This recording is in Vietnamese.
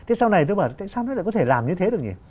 thế sau này tôi bảo tại sao nó lại có thể làm như thế được gì